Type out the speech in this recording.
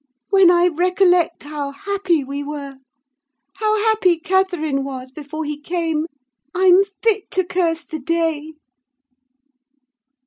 When I recollect how happy we were—how happy Catherine was before he came—I'm fit to curse the day.